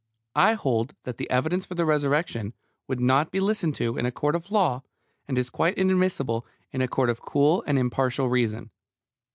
I hold that the evidence for the Resurrection would not be listened to in a court of law, and is quite inadmissible in a court of cool and impartial reason.